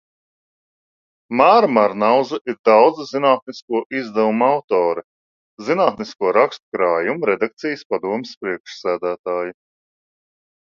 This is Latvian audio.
Māra Marnauza ir daudzu zinātnisko izdevumu autore, zinātnisko rakstu krājumu redakcijas padomes priekšsēdētāja.